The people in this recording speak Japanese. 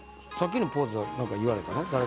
さっきのポーズは何か言われたの？